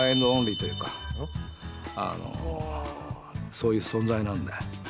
そういう存在なんで。